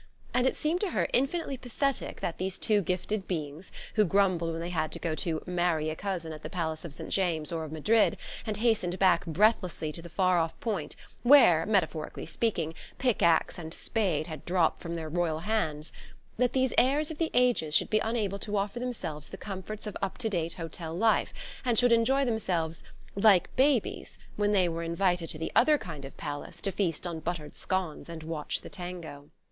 And it seemed to her infinitely pathetic that these two gifted beings, who grumbled when they had to go to "marry a cousin" at the Palace of St. James or of Madrid, and hastened back breathlessly to the far off point where, metaphorically speaking, pick axe and spade had dropped from their royal hands that these heirs of the ages should be unable to offer themselves the comforts of up to date hotel life, and should enjoy themselves "like babies" when they were invited to the other kind of "Palace," to feast on buttered scones and watch the tango.